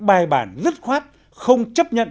bài bản dứt khoát không chấp nhận